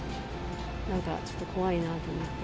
なんか、ちょっと怖いなと思って。